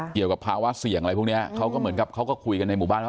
เกี่ยวกับภาวะเสี่ยงอะไรพวกนี้เขาก็เหมือนกับเขาก็คุยกันในหมู่บ้านว่า